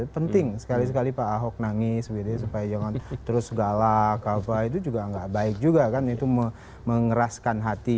penting sekali sekali pak ahok nangis supaya jangan terus galak apa itu juga nggak baik juga kan itu mengeraskan hati